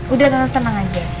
udah tante tenang aja